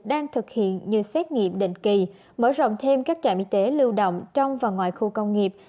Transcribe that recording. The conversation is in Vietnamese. đang thực hiện như xét nghiệm định kỳ mở rộng thêm các trạm y tế lưu động trong và ngoài khu công nghiệp